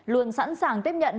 luôn sẵn sàng tiếp nhận